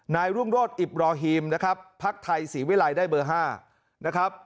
นายร่วงโรธอิบราฮีมนะครับภาคไทยศรีวิรัยได้เบอร์ห้านะครับ